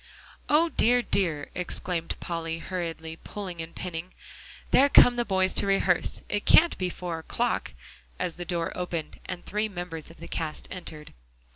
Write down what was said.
"O dear, dear!" exclaimed Polly, hurriedly pulling and pinning, "there come the boys to rehearse. It can't be four o'clock," as the door opened and three members of the cast entered.